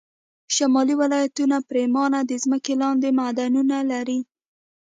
شمالي ولایتونه پرېمانه د ځمکې لاندې معدنونه لري